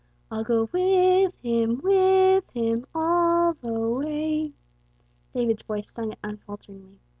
"I'll go with Him, with Him, all the way!" David's voice sung it unfalteringly.